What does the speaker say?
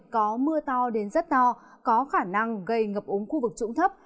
có mưa to đến rất to có khả năng gây ngập ống khu vực trụng thấp